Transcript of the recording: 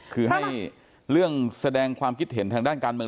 คือให้เรื่องแสดงความคิดเห็นทางด้านการเมือง